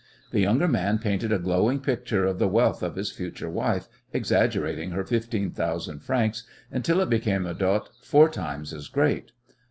The younger man painted a glowing picture of the wealth of his future wife exaggerating her fifteen thousand francs until it became a dot four times as great.